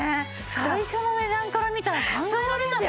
最初の値段から見たら考えられない。